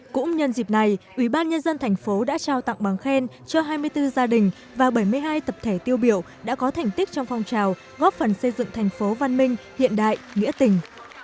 cũng nhân dịp này ủy ban nhân dân thành phố đã trao tặng bằng khen cho hai mươi bốn gia đình và bảy mươi hai tập thể tiêu biểu đã có thành tích trong phong trào góp phần xây dựng thành phố văn minh hiện đại nghĩa tình